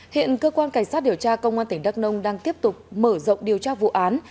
hiện cơ quan cảnh sát điều tra công an tỉnh đắk nông đang tiếp tục mở rộng điều tra vụ án